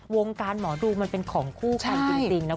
วงการหมอดูมันเป็นของคู่กันจริงนะคุณผู้ชมค่ะ